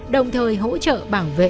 đồng thời hỗ trợ bảo vệ